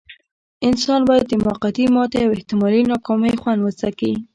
انسان بايد د موقتې ماتې او احتمالي ناکاميو خوند وڅکي.